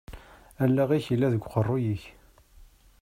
Allaɣ-ik yella deg uqerru-k.